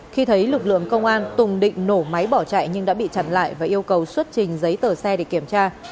khi thấy lực lượng công an tùng định nổ máy bỏ chạy nhưng đã bị chặn lại và yêu cầu xuất trình giấy tờ xe để kiểm tra